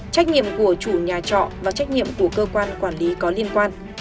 trách nhiệm của chủ nhà trọ và trách nhiệm của cơ quan quản lý có liên quan